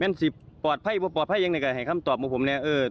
มันสิบปลอดภัยเพราะปลอดภัยอย่างไรก็ให้คำตอบมุมผมเนี่ย